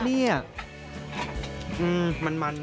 อื้อมัน